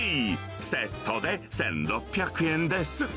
セットで１６００円です。